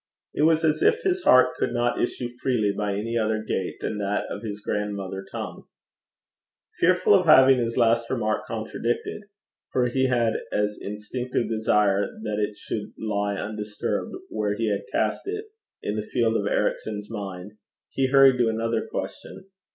It was as if his heart could not issue freely by any other gate than that of his grandmother tongue. Fearful of having his last remark contradicted for he had an instinctive desire that it should lie undisturbed where he had cast it in the field of Ericson's mind, he hurried to another question.